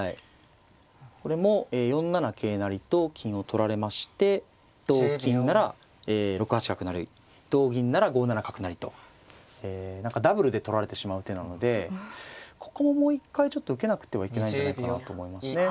これも４七桂成と金を取られまして同金なら６八角成同銀なら５七角成と何かダブルで取られてしまう手なのでここももう一回受けなくてはいけないんじゃないかなと思いますね。